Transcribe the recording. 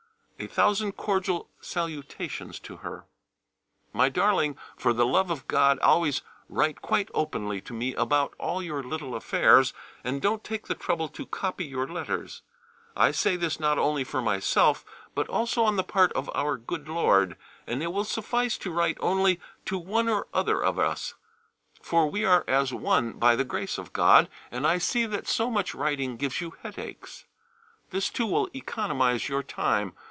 A thousand cordial salutations to her. My darling, for the love of God always write quite openly to me about all your little affairs, and don't take the trouble to copy your letters. I say this not only for myself but also on the part of our good Lord, and it will suffice to write only to one or other of us, for we are as one by the grace of God, and I see that so much writing gives you headaches. This too will economize your time.